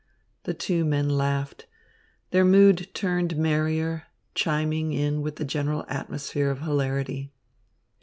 The two men laughed. Their mood turned merrier, chiming in with the general atmosphere of hilarity.